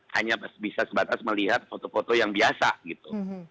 hanya bisa sebatas melihat foto foto yang biasa gitu